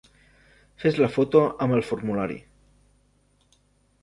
Fes la foto amb el formulari.